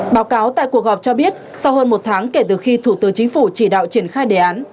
báo cáo tại cuộc họp cho biết sau hơn một tháng kể từ khi thủ tướng chính phủ chỉ đạo triển khai đề án